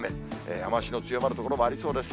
雨足の強まる所もありそうです。